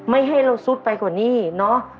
ให้เราซุดไปกว่านี้เนาะ